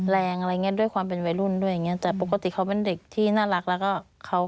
แรงอะไรอย่างเงี้ด้วยความเป็นวัยรุ่นด้วยอย่างเงี้แต่ปกติเขาเป็นเด็กที่น่ารักแล้วก็เขา